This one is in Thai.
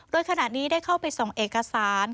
โดยขณะนี้ได้เข้าไปส่งเอกสาร